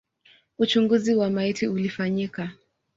Uchunguzi wa maiti ulifanyika.